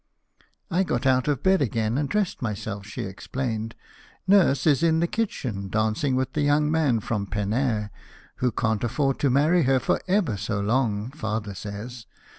"I got out of bed again and dressed myself," she explained. "Nurse is in the kitchen, dancing with the young man from Penare, who can't afford to marry her for ever so long, father says.